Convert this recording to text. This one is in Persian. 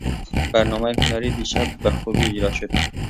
برنامهٔ هنری دیشب بخوبی اجراء شد.